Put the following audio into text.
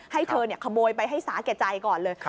ให้เธอขโมยไปให้สาแก่ใจก่อนเลย